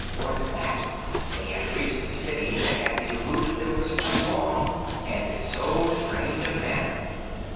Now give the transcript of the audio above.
More than that, they had reached the city that had eluded them for so long and in so strange a manner.